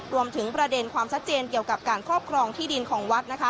รวมถึงประเด็นความชัดเจนเกี่ยวกับการครอบครองที่ดินของวัด